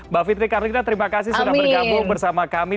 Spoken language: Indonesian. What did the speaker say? mbak fitri kardina terima kasih sudah bergabung bersama kami